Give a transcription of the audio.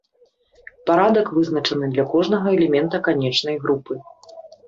Парадак вызначаны для кожнага элемента канечнай групы.